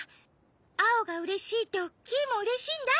アオがうれしいとキイもうれしいんだ。